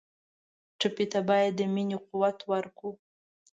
ټپي ته باید د مینې قوت ورکړو.